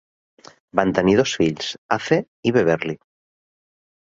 Van tenir dos fills, Ace i Beverly.